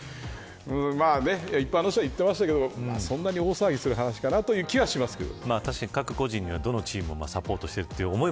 一般の人が言ってましたけどそんなに大騒ぎする話かなという気がしますけど。